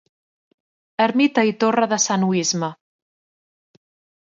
Ermita i torre de Sant Oïsme